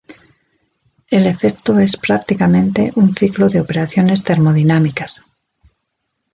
El efecto es prácticamente un ciclo de operaciones termodinámicas.